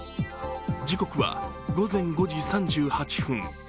時刻は午前５時３８分。